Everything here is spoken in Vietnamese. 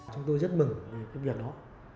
chúng tôi rất mừng vì công việc đó